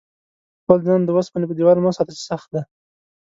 خپل ځان د اوسپنې په دېوال مه ساته چې سخت دی.